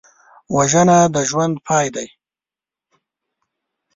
وژنه د ژوند پای دی